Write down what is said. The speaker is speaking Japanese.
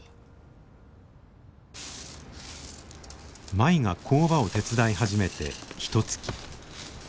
舞が工場を手伝い始めてひとつき。